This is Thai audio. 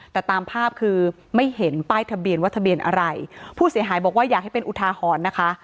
แต่ตามภาพคือไม่เห็นป้ายทะเบียนว่าทะเบียนอะไรผู้เสียหายบอกว่าอยากให้เป็นอุทาหรณ์นะคะ